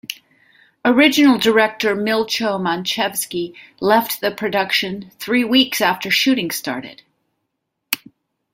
Original director Milcho Manchevski left the production three weeks after shooting started.